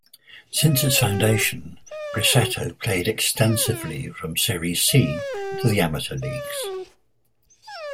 Since its foundation, Grosseto played extensively from Serie C to the amateur leagues.